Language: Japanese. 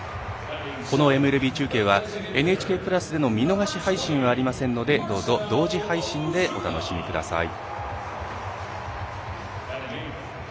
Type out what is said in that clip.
このＭＬＢ中継はＮＨＫプラスでの見逃し配信がありませんのでどうぞ、同時配信でお楽しみください。